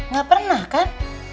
gak pernah kan